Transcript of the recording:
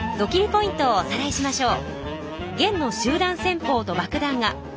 ポイントをおさらいしましょう。